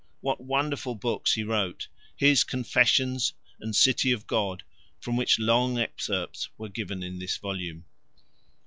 what wonderful books he wrote! his Confessions and City of God from which long excerpts were given in this volume.